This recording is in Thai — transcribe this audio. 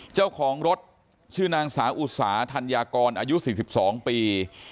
เจ้าของรถชื่อนางสาวอุสาธัญญากรอายุ๔๒ปี